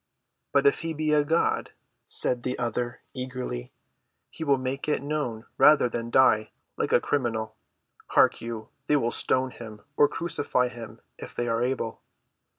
"But if he be a God," said the other eagerly, "he will make it known rather than die like a criminal. Hark you, they will stone him, or crucify him, if they are able."